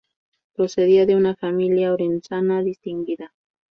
Procedía de una familia orensana distinguida.